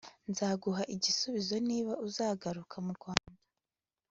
nzaguha igisubizo niba uzagaruka mu Rwanda